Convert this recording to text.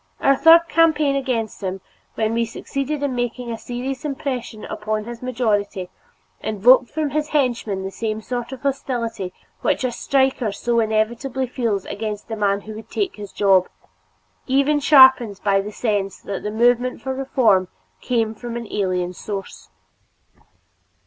Our third campaign against him, when we succeeded in making a serious impression upon his majority, evoked from his henchmen the same sort of hostility which a striker so inevitably feels against the man who would take his job, even sharpened by the sense that the movement for reform came from an alien source.